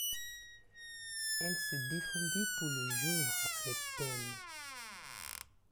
Elle se défendit tout le jour avec peine.